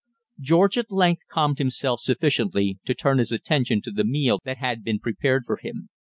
George at length calmed himself sufficiently to turn his attention to the meal that had been prepared for him.